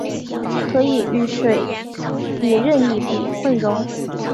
可以与水以任意比混溶。